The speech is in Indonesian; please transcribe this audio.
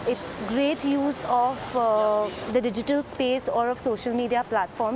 ini adalah penggunaan digital atau platform media sosial yang sangat baik